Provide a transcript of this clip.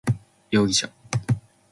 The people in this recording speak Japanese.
容疑者